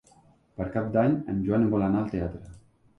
Per Cap d'Any en Joan vol anar al teatre.